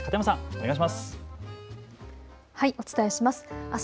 お願いします。